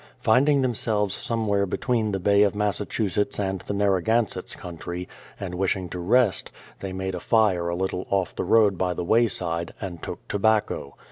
Finding themselves somewhere between the Bay of Massachusetts and the Narragansetts' country, and wishing to rest, they made a fire a little off the road by the wayside, and took tobacco.